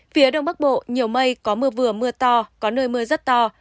phía đông bắc bộ nhiều mây có mưa vừa mưa to có nơi mưa rất to